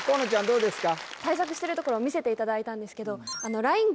どうですか？